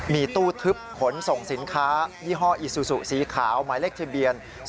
มีตู้ทึบขนส่งสินค้ายี่ห้ออีซูซูสีขาวหมายเลขทะเบียน